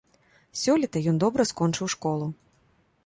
Сёлета ён добра скончыў школу.